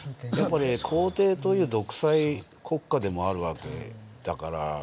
やっぱり皇帝という独裁国家でもあるわけだから。